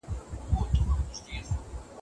هغه پرون تر ښاره پوري ولاړی.